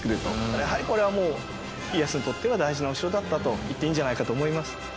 やはりこれはもう家康にとっては大事なお城だったと言っていいんじゃないかと思います。